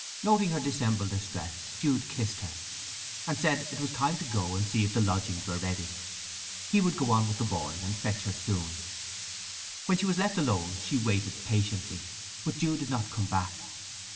Noting her dissembled distress Jude kissed her, and said it was time to go and see if the lodgings were ready. He would go on with the boy, and fetch her soon. When she was left alone she waited patiently, but Jude did not come back.